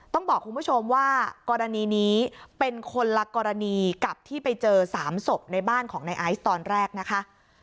ต้องบอกคุณผู้ชมว่ากรณีนี้เป็นคนละกรณีกับที่ไปเจอ๓ศพในบ้านของในไอซ์ตอนแรกนะคะ